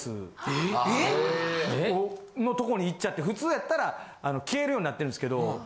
えっ？のとこにいっちゃって普通やったら消えるようになってるんですけど。